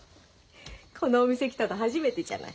このお店来たの初めてじゃない。